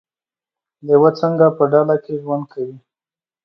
لیوه څنګه په ډله کې ژوند کوي؟